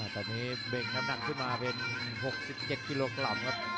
ตอนนี้เบ่งน้ำหนักขึ้นมาเป็น๖๗กิโลกรัมครับ